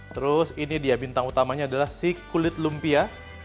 terus ini dia bintang utamanya adalah si kulit lumpia